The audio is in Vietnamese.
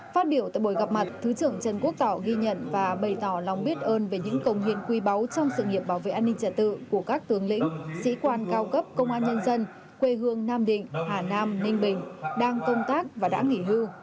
phát biểu tại buổi gặp mặt thứ trưởng trần quốc tỏ ghi nhận và bày tỏ lòng biết ơn về những công hiến quy báu trong sự nghiệp bảo vệ an ninh trả tự của các tướng lĩnh sĩ quan cao cấp công an nhân dân quê hương nam định hà nam ninh bình đang công tác và đã nghỉ hưu